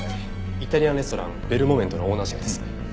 イタリアンレストラン「ベルモメント」のオーナーシェフです。